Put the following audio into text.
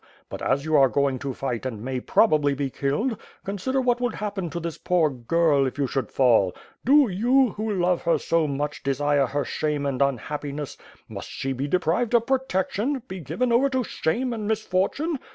But, as you are going to fight and may prob ably be killed, consider what would happen to this poor girl, if you should fall. Do you, who love her so much, desire her shame and unhappiness? Must she be deprived of protec tion, be given over to shame and misfortune?